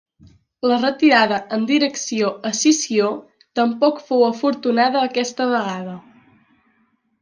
La retirada en direcció a Sició tampoc fou afortunada aquesta vegada.